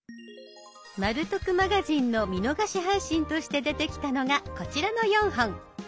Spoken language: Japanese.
「まる得マガジン」の見逃し配信として出てきたのがこちらの４本。